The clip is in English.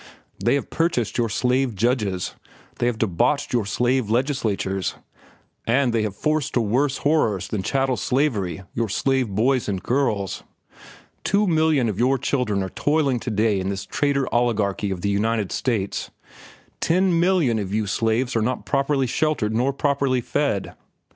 They have purchased your slave judges, they have debauched your slave legislatures, and they have forced to worse horrors than chattel slavery your slave boys and girls. Two million of your children are toiling to day in this trader oligarchy of the United States. Ten millions of you slaves are not properly sheltered nor properly fed.